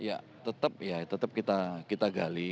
ya tetap ya tetap kita gali